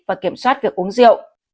và kiểm soát việc uống rượu